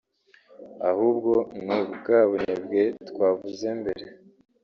Ahubwo ni bwa bunebwe twavuze mbere